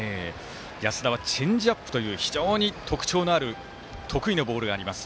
安田はチェンジアップという非常に特徴のある得意のボールがあります。